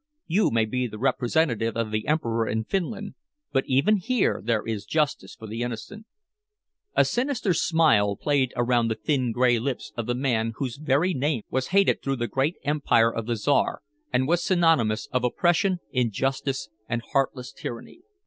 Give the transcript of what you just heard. You may be the representative of the Emperor in Finland, but even here there is justice for the innocent." A sinister smile played around the thin, gray lips of the man whose very name was hated through the great empire of the Czar, and was synonymous of oppression, injustice, and heartless tyranny.